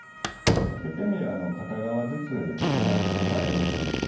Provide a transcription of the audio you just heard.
そういった意味では片側ずつ行うほうがよろしいです。